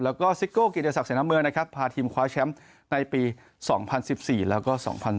แล้วก็ซิกโกลกิจกษัตริย์เสน้ำเมืองพาทีมคว้าแชมป์ในปี๒๐๑๔แล้วก็๒๐๑๖